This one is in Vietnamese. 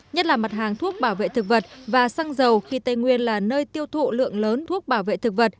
nhất là mặt hàng thuốc bảo vệ thực vật và xăng dầu khi tây nguyên là nơi tiêu thụ lượng lớn thuốc bảo vệ thực vật